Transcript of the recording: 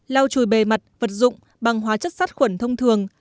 lau chùi bề mặt vật dụng bằng hóa chất sát khuẩn thông thường